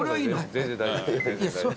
全然大丈夫です。